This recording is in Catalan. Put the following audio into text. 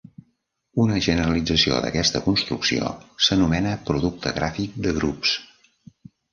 Una generalització d'aquesta construcció s'anomena producte gràfic de grups.